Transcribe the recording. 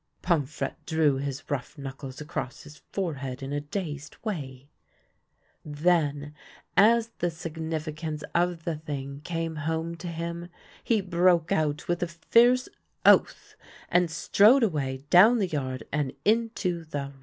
" Pomfrette drew his rough knuckles across his fore head in a dazed way ; then, as the significance of the thing came home to him, he broke out with a fierce oath, and strode away down the yard and into the road.